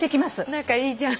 仲いいじゃん。